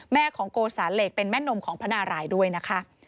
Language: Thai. แม่ของโกสาเหล็กเป็นแม่นมของพระนารายด้วยนะคะ